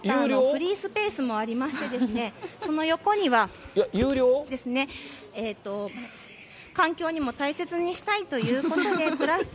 フリースペースもありまして、その横にはですね、環境にも大切にしたいということで。